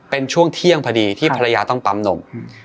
เป็นช่วงเที่ยงพอดีที่ภรรยาต้องปั๊มนม